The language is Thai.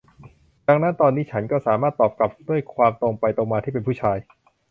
ดังนั้นตอนนี้ฉันก็สามารถตอบกลับด้วยความตรงไปตรงมาที่เป็นผู้ชาย